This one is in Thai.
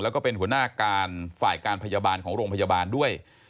แล้วก็เป็นหัวหน้าการฝ่ายการพยาบาลของโรงพยาบาลด้วย